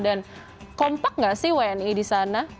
dan kompak gak sih wni di sana